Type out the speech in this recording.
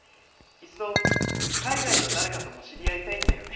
いっそ海外の誰かとも知り合いたいんだよね。